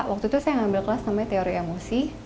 waktu itu saya ngambil kelas namanya teori emosi